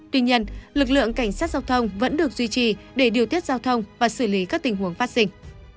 tuy nhiên lực lượng cảnh sát giao thông vẫn được duy trì để điều tiết giao thông và xử lý các tình huống phát sinh